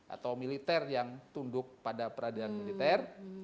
atau militer yang tunduk pada peradilan militer